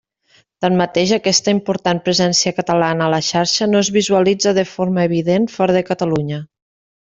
Tanmateix, aquesta important presència catalana a la Xarxa no es visualitza de forma evident fora de Catalunya.